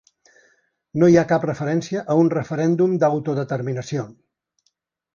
No hi ha cap referència a un referèndum d’autodeterminació.